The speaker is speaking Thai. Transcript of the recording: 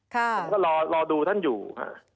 ผมก็รอดูท่านอยู่